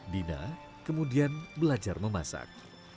dina kemudian belajar memasak